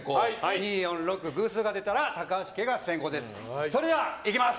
２、４、６の偶数が出たら高橋家が先攻です。